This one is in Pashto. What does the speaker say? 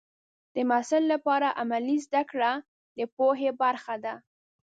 د محصل لپاره عملي زده کړه د پوهې برخه ده.